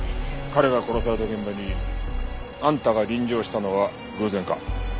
彼が殺された現場にあんたが臨場したのは偶然か？